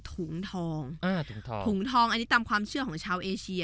ถุงทองถุงทองอันนี้ตามความเชื่อของชาวเอเชีย